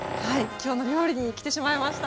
「きょうの料理」に来てしまいました。